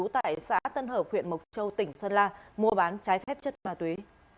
tỉnh sơn la mua bán trái phép chất ma túy